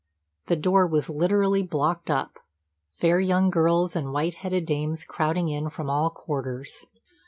The door was literally blocked up fair young girls and white headed dames crowding in from all quarters.